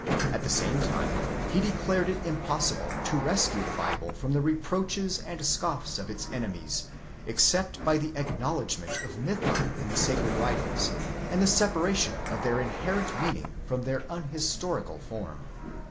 At the same time he declared it impossible to rescue the Bible from the reproaches and scoffs of its enemies except by the acknowledgment of mythi in the sacred writings, and the separation of their inherent meaning from their unhistorical form.